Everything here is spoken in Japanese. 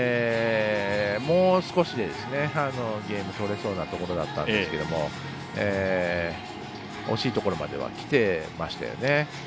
もう少しでゲーム取れそうなところだったんですけど惜しいところまではきていましたよね。